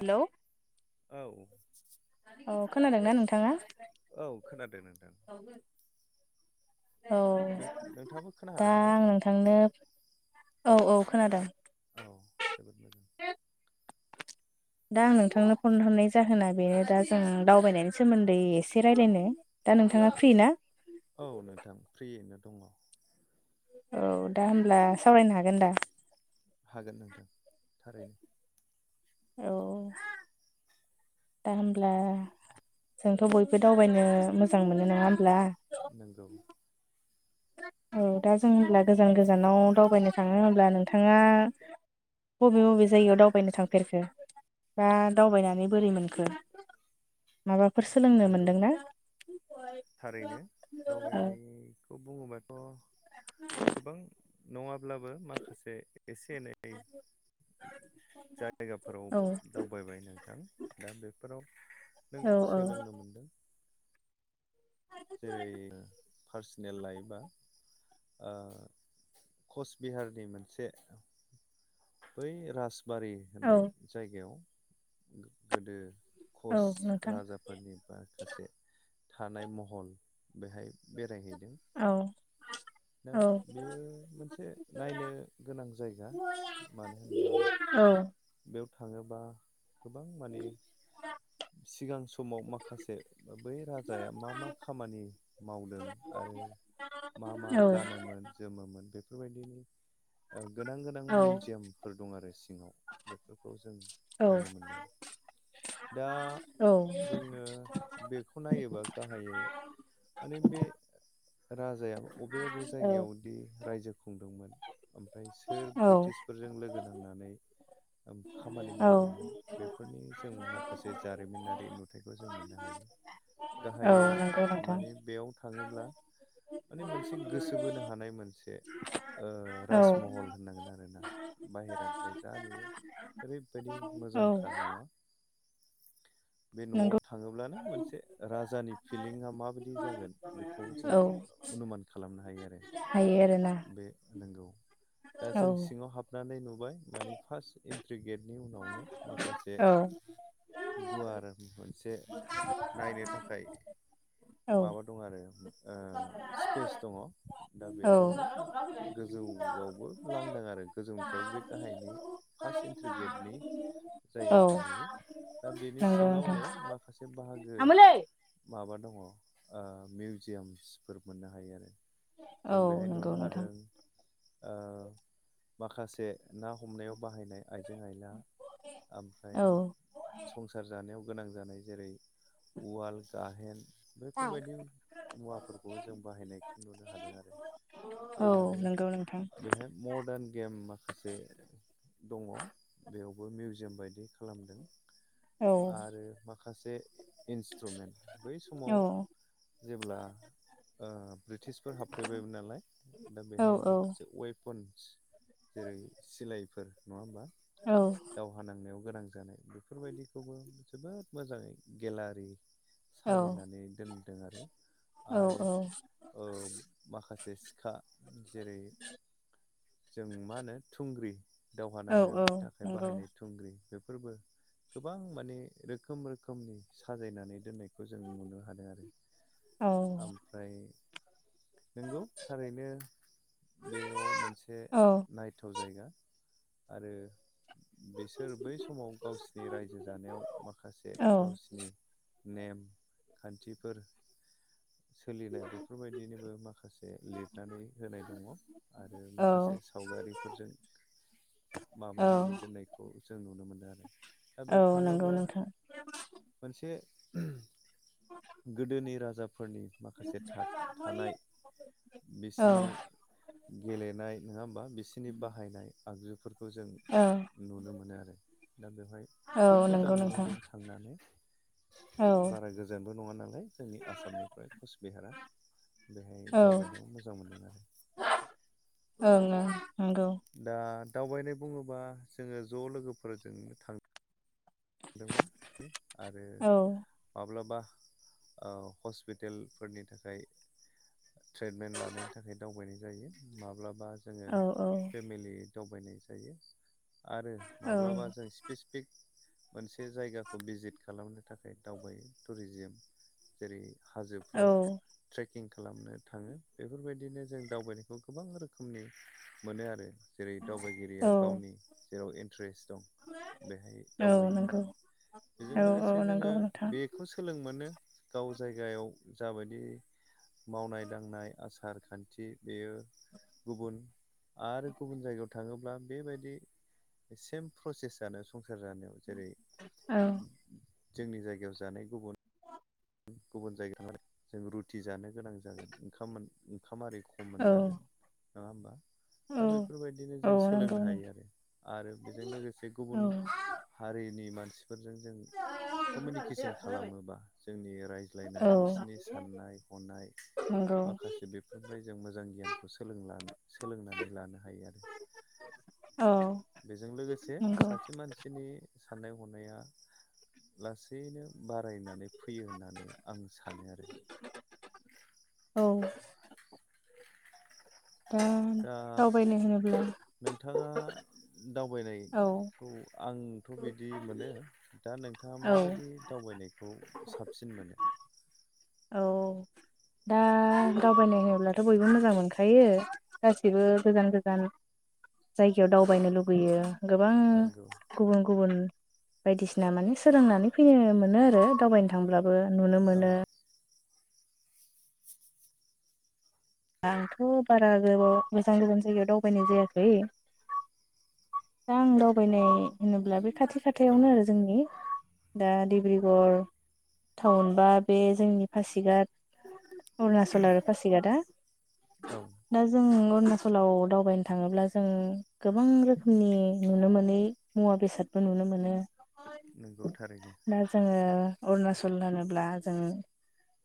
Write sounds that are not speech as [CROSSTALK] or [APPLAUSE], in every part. Hello औ। खोनादों ना नोंथाङा औ खोनादों नोंथां औ नों नोंथाङाबो दा खोनाहादों ना आं नोंथांनो औ औ खोनादों औ जोबोद मोजां दा आं नोंथांनो फन हरनाय जाहोना बेनो दा जों दावबायनायनि सोमोन्दै एसे रायज्लायनो दा नोंथाङा फ्रि ना? औ नोंथां फ्रियैनो दङ' औ दा होमब्ला सावरायनो हागोन दा हागोन नोंथां थारैनो औ दा होमब्ला जोंथ' बयबो दावबायनो मोजां मोनो नङा होमब्ला नंगौ। औ दा जों हब्ला गोजान गोजानाव दावबायनो थाङो होमब्ला नोंथाङा बबे बबे जायगायाव दावबायनो थांफेरखो? दा दावबायनानै बोरै मोनखो माबाफोर सोलोंनो नंगौ मोनदोंना? थारैनो दावबायनायखौ बुङोबाथ' गोबां अब्लाबो माखासे एसे एनै जायगाफोराव औ दावबायबाय नोंथां दा बेफोराव नों औ सोलोंनो मोनदों जेरै पार्सनेल लायोबा ओ कच बिहारनि मोनसे बै राजबारि औ होननाय जायगायाव गोदो औ कच नोंथां राजाफोरनि माखासे थानाय महल बेहाय बेरायहैदों। औ दा औ बेयो मोनसे नायनो गोनां जायगा मानो होनोबा औ बेयाव थाङोबा गोबां माने सिगां समाव माखासे बै राजाया मा मा खामानि मावदों आरो आरो मा मा गानोमोन जोमोमोन बे बेफोरबायदिनि गोनां गोनां मिउजियामफोर दं आरो सिङाव बेफोरखौ जों नुनो मोनदों दा जोङो बेखौ नायोबा गाहायै माने बे राजाया बबे बबे औ जायगायावदि रायजो खुंदोंमोन ओमफ्राय सोर औ ब्रिटिसफोरजों लोगो नांनानै खामानि औ मावदोंमोन बेफोरनि जों माखासे माखासे जारिमिनारि नुथायखौ जों मोननो हायो औ गाहायै नंगौ नोंथां माने बेयाव थाङोब्ला माने मोनसे गोसो बोनो हानाय मोनसे ओ औ राजमहल होननांगोन आरोना बाहेरानिफ्राय जा नुयो ओरैबायदि औ मोजांखा न'आ बे न'आव नंगौ थाङोब्लानो मोनसे राजानि फिलिंआ माबायदि जागोन बेखौ जों औ अनुमान खालामनो हायो आरो हायो आरोना बे नोंगौ दा औ जों सिङाव हाबनानै नुबाय माने फार्स इन गेटनि उनावनो माखासे औ गुवार मोनसे नायनो थाखाय औ माबा दं आरो ओ औ स्पेस दङ दा औ बेजोंनो नंगौ गोजौआवबो लांदों आरो गोजौनिफ्राय बे गाहायनि फार्स्ट इन्ट्रि गेटनि नोंथां। जायगाखौ नुयो दा बेनि सिङावनो माखासे बाहागो आमोलै माबा दङ मिउजियामसफोर मोननो हायो आरो औ जों बेहाय नंगौ नुनो नोंथां हादों ओ माखासे ना हमनायाव बाहायनाय आइजें आइला ओमफ्राय औ। संसार जानायाव गोनां जानाय जेरै उवाल गाहेन बैफोरबायदि मुवाफोरखौबो जों बाहायनायखौ नुनो हादों आरो औ आरो नंगौ नोंथां बेहाय मदार्न गेम माखासे दङ बेयावबो मिउजियाम बायदि खालामदों औ आरो माखासे इन्सट्रुमेन्ट बै समाव औ जेब्ला ओ ब्रिटिशफोर हाबफैबायमोन नालाय दा औ बेहाय औ माखासे वेपन जेरै सिलायफोर नङा होमबा औ दावहा नांनायाव गोनां जानाय बेफोरबायदिखौबो जोबोद मोजाङै गेलारि औ साजायनानै दोनदों आरो औ आरो ओ माखासे सिखा जेरै जों मा होनो थुंग्रि दावहा औ नांनो औ थाखाय नंगौ बाहायनाय थुंग्रि बे फोरबो गोबां माने रोखोम रोखोमनि साजायनानै दोननाय बे खौ जों नुनो हादों आरो औ ओमफ्राय नंगौ थारैनो बेयाव मोनसे औ नायथाव जायगा आरो बिसोर बै समाव गावसिनि रायजो जानायाव माखासे औ गावसिनि नेमखान्थिफोर सोलिनाय बेफोरबायदिनोबो माखासे लिरनानै होनाय दङ आरो माखासे औ साव वारिफोरजों औ माबानानै दोननायखौ जों नुनो मोनो आरो दा औ बेयाव नंगौ थाङोब्ला नोंथां मोनसे गोदोनि राजाफोरनि माखासे थानाय औ बिसिनि गेलेनाय नङा होमबा बिसोरनि बाहायनाय आगजुफोरखौ बे खौ जों औ नुनो मोनो आरो दा बेवहाय औ खुब मोजां नंगौ नोंथां मोनहैदों थांनानै औ बारा गोजानबो नङा नालाय जोंनि आसामनिफ्राय कचबिहारा बेहाय दावबायनायाव मोजां मोनदों आरो ओं ओं नंगौ दा दावबायनाय बुङोबा जोंङो ज लोगोफोरजों थाङो दोंमोन बियो आरो औ माब्लाबा हस्पिटेलफोरनि थाखाय ट्रिटमेन्ट लानायनि थाखाय दावबायनाय जायो माब्लाबा जोंङो औ फेमिलि दावबायनाय जायो आरो औ माब्लाबा जों स्पेसिफिक मोनसे जायगाखौ भिजिट खालामनो थाखाय दावबायो टुरिजिम जेरै हाजोफ्राव औ ट्रेक किं खालामनो थाङो बेफोरबायदिनो जों दावबायनायखौ गोबां रोखोमनि मोनो आरो जेरै औ दावबायगिरिया गावनि जेराव इन्टारेस्ट दं बेहाय औ दावबायो आरो नंगौ बेजों औ औ लोगोसे नंगौ जोंङो नोंथां बेखौ सोलों मोनो गाव जायगायाव जाबायदि मावनाय दांनाय आसार खान्थि बेयो गुबुन आरो गुबुन जायगायाव थाङोब्ला बेबायदि सेम प्रससेआनो सं संसार जानायाव जेरै औ जोंनि जायगायाव जानाय गुबुन गुबुन जायगायाव थांनानै जों रुथि जानो गोनां जागोन ओंखाम आरिखौ औ नङा होमबा औ दा बेफोरबायदिनो औ जों नंगौ सोलोंनो हायो नोंथां आरो आरो बेजों लोगोसे गुबुन औ हारिनि मानसिफोरजों जों कमिउनिकेसन खालामोबा बिनि औ रायज्लायनाय बिसिनि साननाय हनाय नंगौ माखासे बेफोरनिफ्राय जों मोजां गियानखौ सोलोंना सोलोंनानै लानो हायो आरो। [UNINTELLIGIBLE] बेजों लोगोसे नंगौ सासे मानसिनि साननाय हनाया लासैनो बारायनानै फैयो होननानै आं सानो आरो औ दा दा दावबायनो होनोब्ला नोंथाङा औ दावबायनायखौ आं थ' बिदि मोनो दा नोंथाङा औ माबायदि दावबायनाय खौ साबसिन मोनो? औ दा दावबायनाय होयोब्लाथ' बयबो मोजां मोनखायो गासिबो गोजान गोजान जायगायाव दावबायनो लुुबैयो गोबां नंगौ गुबुन गुबुन बायदिसिना माने सोलोंनानै फैनो मोनो आरो दावबायनो थांब्लाबो नुनो औ मोनो। आंथ' बारा गोबाव गोजान गोजान जायगायाव दावबायनाय जायाखै। दा आं दावबायनाय होनोब्ला बे खाथि औ खाथायावनो आरो जोंनि दा डिब्रुगर टाउन बा बे जोंनि पासिघात अरुणाचल आरो पासिगादा औ जों अरुणाचलाव दावबायनो थाङोब्ला जों गोबां रोखोमनि नुनो मोनै मुवा बेसादबो नुनो मोनो। नंगौ थारैनो दा जोङो अरुणाचल होनोब्ला जों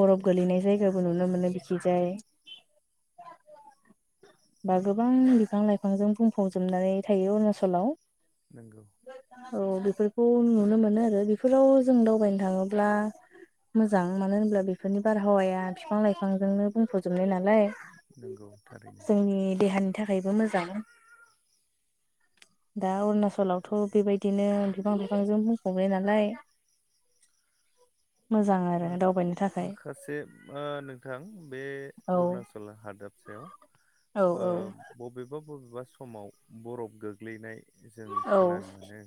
बरफ गोलैनाय जायगाबो नुनो मोनो बिखिजाय [UNINTELLIGIBLE] बा गोबां बिफां लाइफांजों बुंफबजोबनानै थायो अरुणचलाव नोंगौ औ बेफोरखौ नुनो मोनो आरो बेफोराव जों दावबायनो थाङोब्ला मोजां मानो होनब्ला बेफोरनि बारहावाया बिफां लाइफांजोंनो बुंफजोब जोबनाय नालाय नंगौ थारैनो जोंनि देहानि थाखायबो मोजां [UNINTELLIGIBLE] दा अरुणाचलावथ' बेबायदिनो बिफांजों बुंफनाय नालाय औ माखासे ओ नोंथां बे औ अरुणाचल हादाबसायाव औ ओ औ बबेब बबेबा बबेबा समाव बरफ गोग्लैनाय जों औ खोनानो मोनो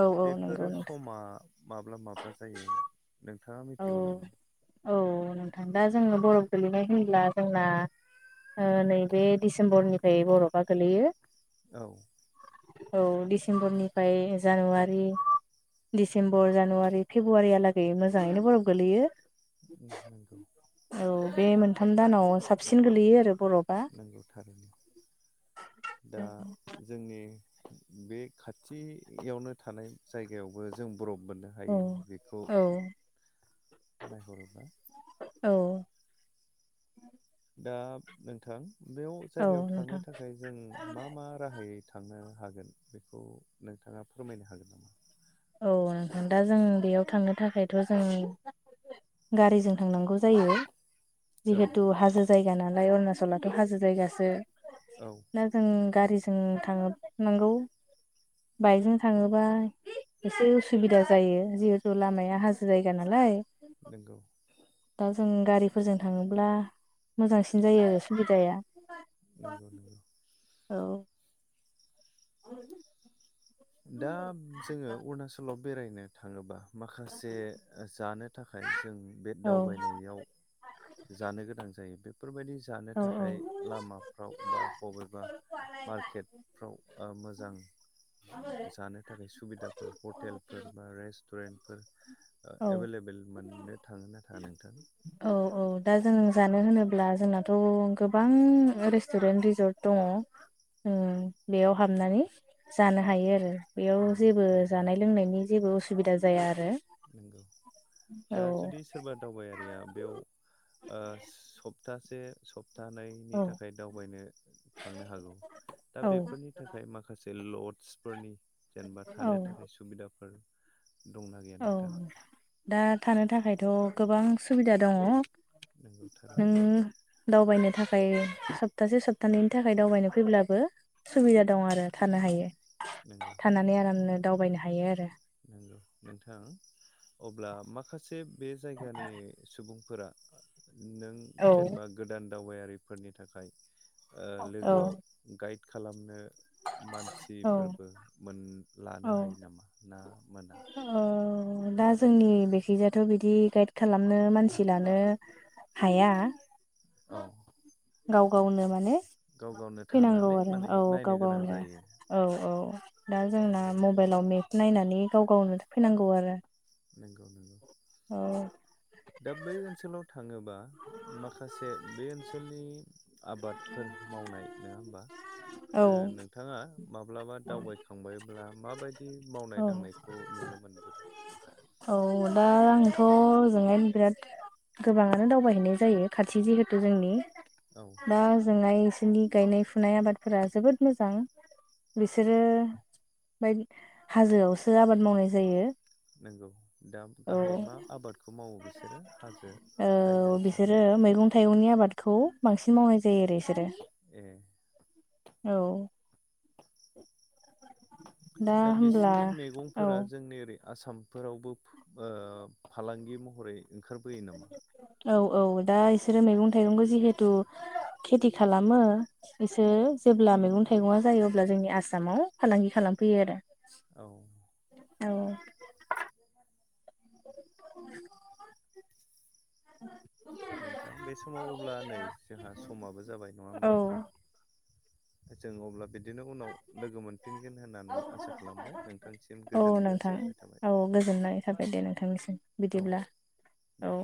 औ औ नंगौ बेफोरो नोंथां समा माब्ला माब्ला जायो नोंथाङा मिथिगौ औ नामा? औ नोंथां दा जोङो बरफ गोलैनाय होनब्ला जोंना नैबे डिसेम्बरनिफ्राय बर'फआ गोलैयो। औ औ डिसेम्बर निफ्राय जानुवारि दिडिसेम्बर जानुवारि फेब्रुवारिया लागै मोजाङैनो बरफ गोलैयो। उम नंगौ। औ बे मोनथाम दानाव साबसिन गोलैयो आरो। बरफआ नंगौ थारैनो दा जोंनि बे खाथि यावनो थानाय जायगायावबो जों बरफ मोननो औ हायो बेखौ औ नायहरोब्ला औ। दा नोंथां बेयाव औ जायगायाव थांनो नोंथां थाखाय जों मा मा राहायै थांनो हागोन बेखौ नोंथाङा फोरमायनो हागोन नामा? औ नोंथां दा जों बेयाव थांनो थाखायथ' जों गारिजों थांनांगौ जायो। औ जिहेथु हाजो जायगा नालाय अरुणाचलाथ' हाजो जायगासो। औ [INAUDIBLE] ना जों गारिजों थां नांगौ बाइकजों थाङोबा एसे उसुबिदा जायो जिहेथु लामाया हाजो जायगा नालाय नंगौ दा जों गारि फोरजों थाङोब्ला मोजांसिन जायो सुबिदाया। नंगौ नंगौ। औ। [INAUDIBLE] दा जोङो अरुणाचलाव बेरायनो थाङोबा माखासे जानो थाखाय जों बे औ दावबाय नायाव जानो गोनां जायो बे जानो औ थाखाय लामाफ्राव बा बबेबा मार्केटफ्राव ओ मोजां आबै जानो थाखाय सुबिदाफोर हटेल फोर बा रेस्टुरेन्ट फोर औ एभेल एबेल मोननो थाङो। नोंथां। औ औ। औ दा जों जानो होनोब्ला जोंनाथ' गो बां रेस्तुरेन्ट रिजर्ट दङ। ओ बेयाव हाबनानै जानो हायो आरो। बेयाव नंगौ जेबो थारैनो जानाय लोंनायनि जेबो असुबिदा जाया। आरो नंगौ औ दा जुदि सोरबा दावबाय या बेयाव ओ स बथासे सब सबथानैनि औ थाखाय दावबायनो थांनो हागौ दा औ बेफोरनि थाखाय माखासे बे लडस फोरनि जेनेबा थानो थाखाय सुबिदाफोर दंना औ गैया? दा थानो थाखायथ' गोबां सुबिदा दङ। नंगौ नों थारैनो दावबायनो थाखाय सप्तासे सप्तानैैनि थाखाय दावबायनो फैब्लाबो सुबिदा दं आरो थानो हायो। नंगौ थानानै आरामनो दावबायनो हायो आरो। नोंथां अब्ला माखासे बे जायगानि सुबुं फोरा नों औ जेनेबा गोदान दावबायारि फोरनि थाखाय ओ औ लोगो आव गाइड खालामनो मानसि फोरबो मोन लानो औ हायो नामा ना मोना। औ दा जोंनि बिखै जायथ' बिदि गाइद खालामनो मानसि लानो हाया। औ। गाव गावनो माने गाव गावनो फैनांगौ थांनानै आरो माने औ गाव नायनो गोनां गावनो जायो। औ औ दा जोंना नंगौ मबाइलाव मेप नायनानै गाव गावनो फैनांगौ आरो। नंगौ नंगौ औ दा बै ओनसोलाव थाङोबा माखासे बे ओनसोलनि आबादफोर मावनाय नङा होमबा औ नोंथाङा माब्लाबा दावबायखांबायब्ला माबायदि मावनाय औ दांनायखौ नुनो मोनबोदों? औ दा आंथ' ओजोंहायनो बिराद गोबाङानो दावबायहैनाय जायो खाथि जिहेतु जोंनि औ दा जोंना इसोरनि गायनाय फुनाय आबादफोरा जोबोद मोजां बिसोरो बाय हाजोआवसो आबाद मावनाय जायो। नंगौ दा औ गाहाय मा आबादखौ मावो बिसोरो हाजो जायगा औ बिसोरो हिसाबै मैगं थाइगंनि आबादखौ बांसिन मावनाय जायो आरो बिसोरो। ए औ दा बिसिनि औ मैगंफोरा जोंनि ओरै आसामफोरावबो ओ फालांगि महरै ओंखारबोयो नामा? औ औ दा बिसोरो मैगं थाइगंखौ जिहेथु खेथि खालामो बिसोर जेब्ला मैगं थाइगङा जायो अब्ला जोंनि आसामाव फालांगि खालामफैयो आरो। औ औ औ नोंथां बे समाव अब्ला नै जोंहा समाबो जाबाय नङा औ होमबा? जों अब्ला बि‌ दिनो उनाव लोगो मोनफिनगोन होननानै आसा खालामबाय नोंथांसिम औ गोजोननाय नोंथां जासिहरनाय थाबाय। औ गोजोननाय थाबाय दे नोंथांनिसिम औ बिदिब्ला दे औ